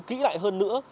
kỹ lại hơn nữa